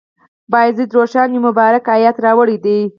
بایزید روښان یو مبارک آیت راوړی دی.